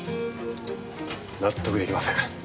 納得出来ません。